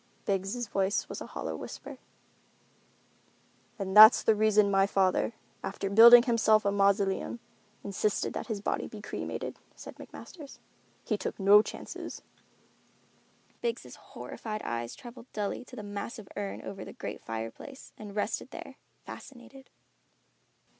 Biggs' voice was a hollow whisper. "And that's the reason my father, after building himself a mausoleum, insisted that his body be cremated," said McMasters. "He took no chances." Biggs' horrified eyes traveled dully to the massive urn over the great fireplace and rested there, fascinated.